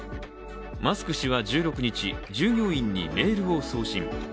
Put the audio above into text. マスク氏は１６日従業員にメールを送信。